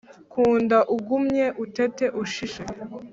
Kunda ugumye utete ushishe